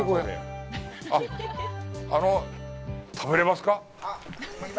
あっ、あのう、食べれますか。